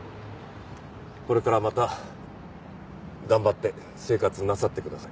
これからまた頑張って生活なさってください。